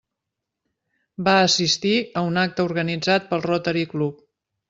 Va assistir a un acte organitzat pel Rotary Club.